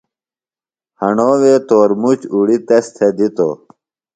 ہݨو وے تورمُچ اُڑیۡ تس تھےۡ دِتوۡ۔